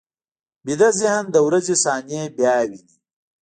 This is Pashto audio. ویده ذهن د ورځې صحنې بیا ویني